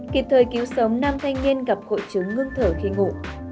kịp thời cứu sống nam thanh niên gặp hội chứng ngưng thở khi ngủ